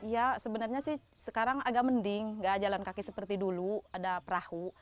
ya sebenarnya sih sekarang agak mending nggak jalan kaki seperti dulu ada perahu